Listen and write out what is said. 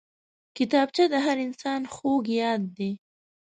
کتابچه د هر انسان خوږ یاد دی